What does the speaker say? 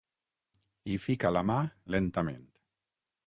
Hi fica la mà lentament.